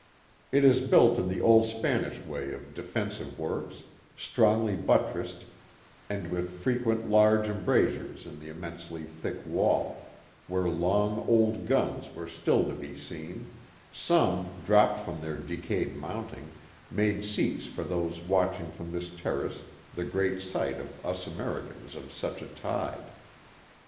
It is built in the old Spanish way of defensive works, strongly buttressed, and with frequent large embrasures in the immensely thick wall, where long old guns were still to be seen ; some, dropped from their decayed mounting, made seats for those watching from this terrace the great sight to us Americans of such a tide.